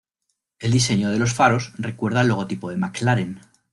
El diseño de los faros recuerda al logotipo de McLaren.